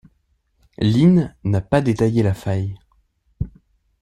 Lynn n'a pas détaillé la faille.